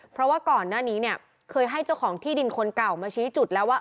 เพราะว่าก่อนหน้านี้เนี่ยเคยให้เจ้าของที่ดินคนเก่ามาชี้จุดแล้วว่า